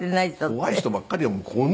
怖い人ばっかりだもん。